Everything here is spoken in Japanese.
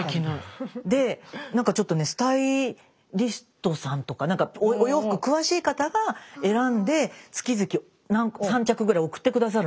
で何かちょっとねスタイリストさんとかお洋服詳しい方が選んで月々３着ぐらい送って下さるの。